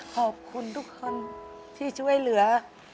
ขอบคุณทุกคนที่ช่วยเหลือ